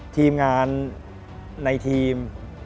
ทีมงานในทีม